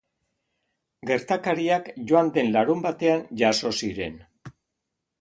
Gertakariak joan den larunbatean jazo ziren.